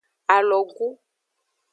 Alogu.